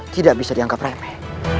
tidak bisa dianggap remeh